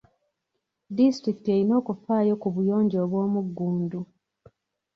Disitulikiti eyina okufaayo ku buyonjo obw'omugundu.